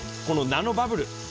このナノバブル